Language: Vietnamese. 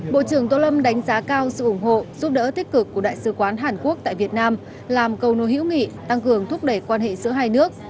bộ trưởng tô lâm đánh giá cao sự ủng hộ giúp đỡ tích cực của đại sứ quán hàn quốc tại việt nam làm cầu nối hữu nghị tăng cường thúc đẩy quan hệ giữa hai nước